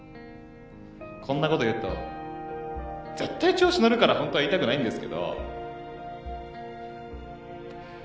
こんなこと言うと絶対調子乗るからホントは言いたくないんですけど。